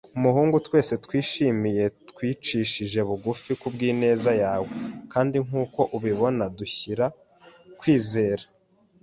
umuhungu. Twese twishimiye twicishije bugufi kubwineza yawe, kandi nkuko ubibona, dushyira kwizera